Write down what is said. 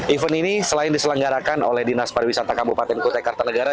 event ini selain diselenggarakan oleh dinas pariwisata kabupaten kutai kartanegara